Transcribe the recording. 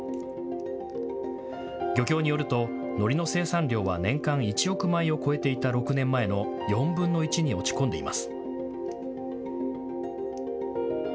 漁協によるとのりの生産量は年間１億枚を超えていた６年前の４分の１に落ち込んでいます。